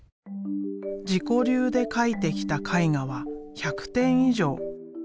自己流で描いてきた絵画は１００点以上。